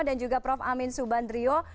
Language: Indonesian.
dan juga prof amin subandrio